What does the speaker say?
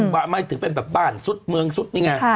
ว่าไม่ถือเป็นแบบบ้านซุดเมืองซุดนี่ไง